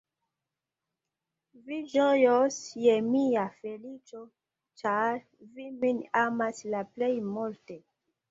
Vi ĝojos je mia feliĉo, ĉar vi min amas la plej multe!